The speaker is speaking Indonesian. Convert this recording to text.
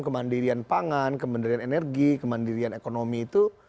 kemandirian pangan kemandirian energi kemandirian ekonomi itu